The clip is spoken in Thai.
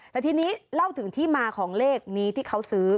แต่ทีนี้เล่าถึงที่มาของเลขนี้ที่เขาซื้อ